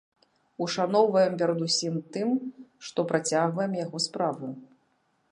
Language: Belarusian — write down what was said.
Ушаноўваем перадусім тым, што працягваем яго справу.